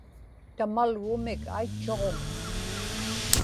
tamalgumik aitchuġuŋ